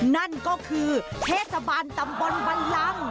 นั่นก็คือเทศบาลตำบลบันลัง